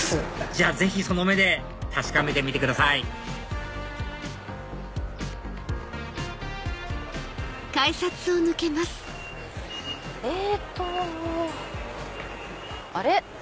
じゃあぜひその目で確かめてみてくださいえっと。